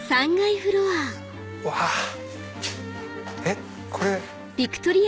えっこれ。